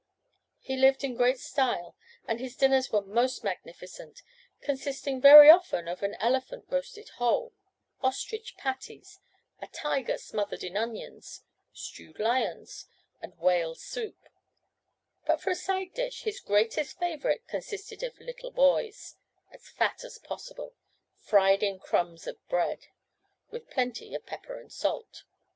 He lived in great style, and his dinners were most magnificent, consisting very often of an elephant roasted whole, ostrich patties, a tiger smothered in onions, stewed lions, and whale soup; but for a side dish his greatest favorite consisted of little boys, as fat as possible, fried in crumbs of bread, with plenty of pepper and salt.